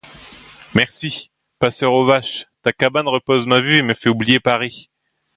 Merci ! passeur aux vaches ! ta cabane repose ma vue, et me fait oublier Paris !